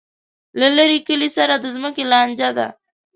له لر کلي سره د ځمکې لانجه ده.